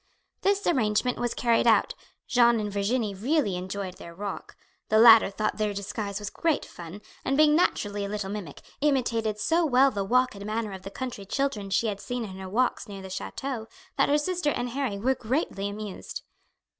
This arrangement was carried out; Jeanne and Virginie really enjoyed their walk; the latter thought their disguise was great fun, and, being naturally a little mimic, imitated so well the walk and manner of the country children she had seen in her walks near the chateau that her sister and Harry were greatly amused.